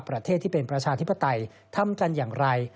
ประเทศที่เป็นประชาธิปไตยทำกันอย่างไร